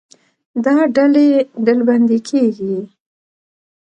دا ډلې ډلبندي کېږي.